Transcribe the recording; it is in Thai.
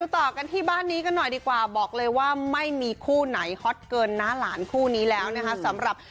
ต่อกันที่บ้านนี้กันหน่อยดีกว่าบอกเลยว่าไม่มีคู่ไหนฮอตเกินน้าหลานคู่นี้แล้วนะคะสำหรับ